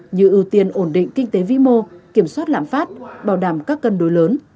như ưu tiên ổn định kinh tế vĩ mô kiểm soát lãm phát bảo đảm các cân đối lớn